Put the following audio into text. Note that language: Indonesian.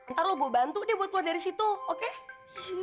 ntar lo gue bantu deh buat keluar dari situ ngapain